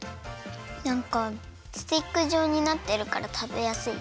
なんかスティックじょうになってるからたべやすい！